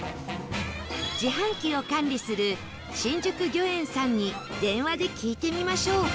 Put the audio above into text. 自販機を管理する新宿餃苑さんに電話で聞いてみましょう